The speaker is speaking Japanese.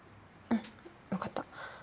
うん分かった。